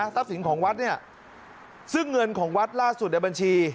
ทรัพย์สินของวัดซึ่งเงินของวัดล่าสุดในบัญชี